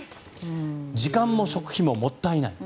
時間も食費も、もったいない。